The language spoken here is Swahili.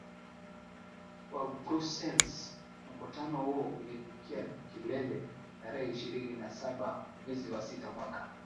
wa Brussels Mkutano huo ulifikia kilele tarehe ishirini na saba mwezi wa sita mwaka